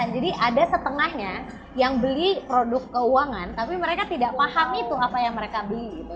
jadi ada setengahnya yang beli produk keuangan tapi mereka tidak paham itu apa yang mereka beli gitu